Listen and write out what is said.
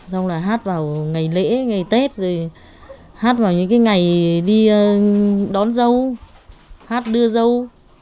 xong là hát vào ngày lễ ngày tết hát vào những ngày đi đón dâu hát đưa dâu